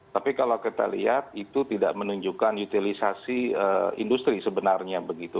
tapi kalau kita lihat itu tidak menunjukkan utilisasi industri sebenarnya begitu